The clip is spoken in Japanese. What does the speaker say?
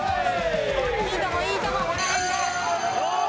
いいとこいいとここの辺が。